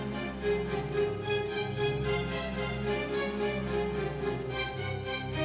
dari kecil dia tuh selalu jagain rani